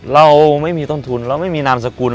เราไม่มีต้นทุนเราไม่มีนามสกุล